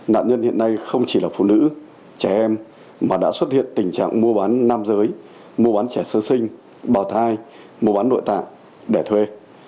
nạn nhân hiện nay không chỉ là phụ nữ trẻ em mà đã xuất hiện tình trạng mua bán nam giới mua bán trẻ sơ sinh bào thai mô bán nội tạng để thuê